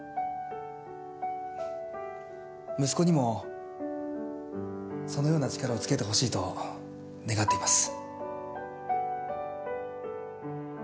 息子にもそのような力をつけてほしいと願っています。